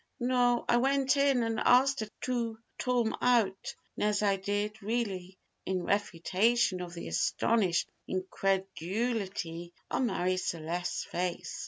"No, I went in and asked her to tome out; nes I did, really," in refutation of the astonished incredulity on Marie Celeste's face.